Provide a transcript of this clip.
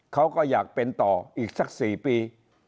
เขาก็อยากเป็นต่ออีกสัก๔ปี